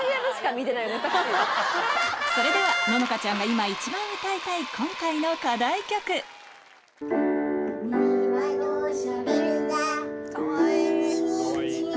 それでは乃々佳ちゃんが今一番歌いたい今回の課題曲かわいい！